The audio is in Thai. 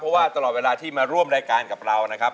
เพราะว่าตลอดเวลาที่มาร่วมรายการกับเรานะครับ